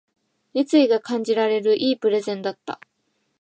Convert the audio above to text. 熱意が感じられる良いプレゼンだった